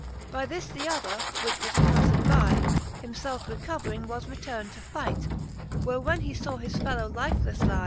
X. By this the other, which was pafTed by, .^ Himfelfe recovering, was return'd to fight ; Where when he faw his fellow lifelefTe ly.